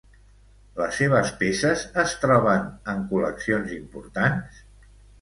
Les seves peces es troben en col·leccions importants?